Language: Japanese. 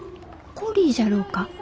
コリーじゃろうか？